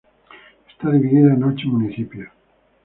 Está dividida en ocho municipios.